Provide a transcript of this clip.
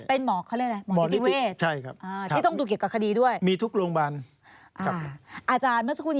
เป็นหมอก็ได้ไหมหมอนิติเวช